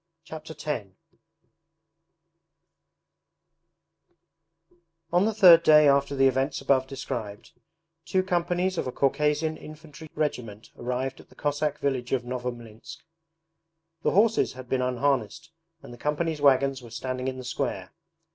Chapter X On the third day after the events above described, two companies of a Caucasian infantry regiment arrived at the Cossack village of Novomlinsk. The horses had been unharnessed and the companies' wagons were standing in the square.